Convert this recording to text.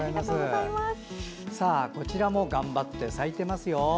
こちらもがんばって咲いていますよ。